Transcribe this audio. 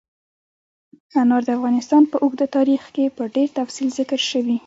انار د افغانستان په اوږده تاریخ کې په ډېر تفصیل ذکر شوي.